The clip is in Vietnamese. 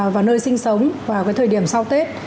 và nơi sinh sống vào cái thời điểm sau tết